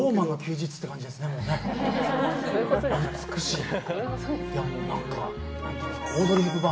美しい！